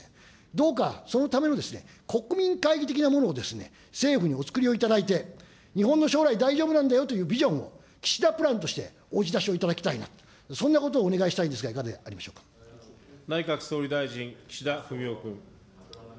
どうかそのための国民会議的なものを政府にお作りをいただいて、日本の将来、大丈夫なんだよというビジョンを岸田プランとしてお打ちだしをいただきたいな、そんなことをお願いしたいんですが、いかがであり内閣総理大臣、岸田文雄君。